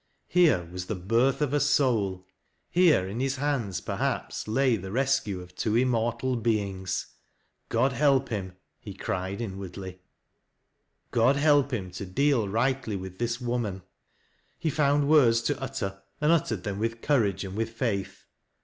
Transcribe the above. Here was the birth of a soul ; here in his hands perhaps lay the fescue of twq immortal beings. Grod help him! he r ripd lU THAT LASS (f LOWBIE'S. inwardly. God help him to deal rightly with this woman. He found words to utter, and uttered them with courage and with faith.